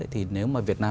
thì nếu mà việt nam